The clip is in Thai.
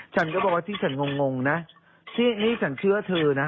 ฉันก็บอกว่าที่ฉันงงนะที่นี่ฉันเชื่อเธอนะ